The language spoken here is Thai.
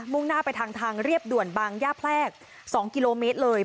่งหน้าไปทางทางเรียบด่วนบางย่าแพรก๒กิโลเมตรเลย